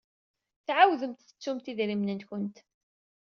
Tɛawdemt tettumt idrimen-nwent.